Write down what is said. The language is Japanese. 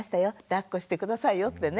だっこして下さいよってね。